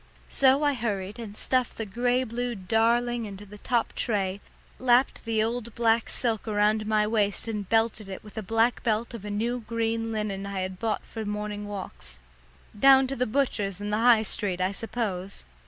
So I hurried and stuffed the grey blue darling in the top tray, lapped the old black silk around my waist and belted it in with a black belt off a new green linen I had bought for morning walks down to the butcher's in the High Street, I suppose.